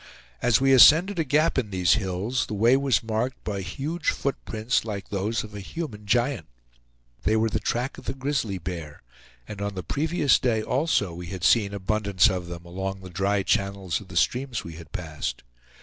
As we ascended a gap in these hills, the way was marked by huge foot prints, like those of a human giant. They were the track of the grizzly bear; and on the previous day also we had seen abundance of them along the dry channels of the streams we had passed.